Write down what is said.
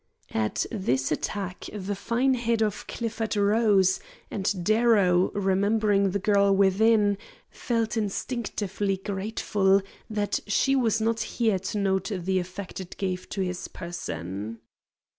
At this attack, the fine head of Clifford rose, and Darrow, remembering the girl within, felt instinctively grateful that she was not here to note the effect it gave to his person.